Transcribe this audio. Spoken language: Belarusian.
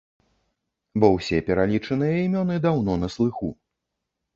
Бо ўсе пералічаныя імёны даўно на слыху.